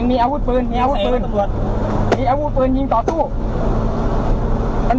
ที่คุณพิจารณีที่เมืองของภูมินอลได้อย่างสำหรับครัว